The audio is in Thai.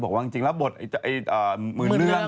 บอกว่าจริงแล้วบทหมื่นเรื่อง